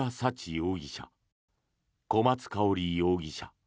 容疑者、小松香織容疑者